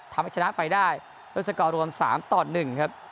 ทำให้ชนะไปได้อุตสกรรม๓๑ครับ